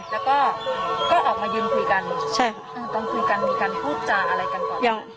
แล้วก็ก็ออกมายืนคุยกันใช่ค่ะตอนคุยกันมีการพูดจาอะไรกันก่อน